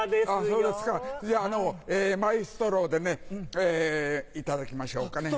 それじゃマイストローでねいただきましょうかね。